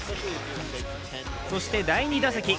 そして、第２打席。